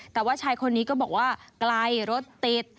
แต่ว่าชายคนนี้ก็บอกว่าไกลรถติด